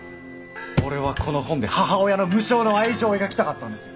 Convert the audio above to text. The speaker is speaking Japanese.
俺はこの台本で母親の無償の愛情描きたかったんです。